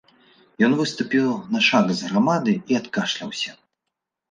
Ён выступіў на шаг з грамады і адкашляўся.